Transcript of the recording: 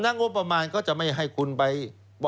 นักงบประมาณก็จะไม่ให้คุณไป